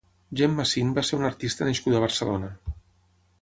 Gemma Sin va ser una artista nascuda a Barcelona.